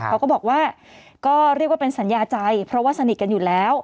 เขาก็บอกว่าก็เรียกว่าเป็นสัญญาใจเพราะว่าสนิทกันอยู่แล้ว